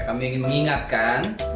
kami ingin mengingatkan